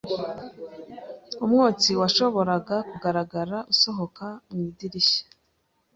Umwotsi washoboraga kugaragara usohoka mu idirishya.